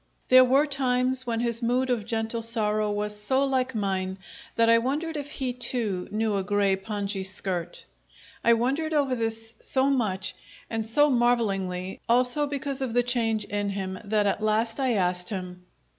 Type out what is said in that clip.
There were times when his mood of gentle sorrow was so like mine that I wondered if he, too, knew a grey pongee skirt. I wondered over this so much, and so marvellingly, also, because of the change in him, that at last I asked him.